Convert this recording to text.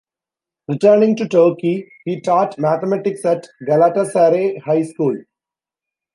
Returning to Turkey, he taught mathematics at Galatasaray High School.